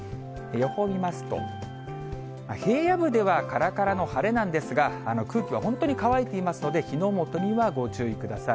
予報見ますと、平野部ではからからの晴れなんですが、空気は本当に乾いていますので、火の元にはご注意ください。